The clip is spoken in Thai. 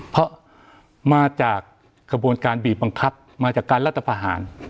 เพราะมาจากกระบวนการบีบบังคับมาจากการรัฐประหาร